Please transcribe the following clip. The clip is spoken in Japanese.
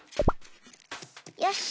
よし！